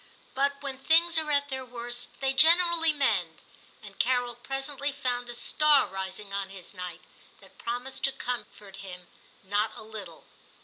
But when things are at their worst they generally mend, and Carol presently found a star rising on his night, that promised to comfort him not a little.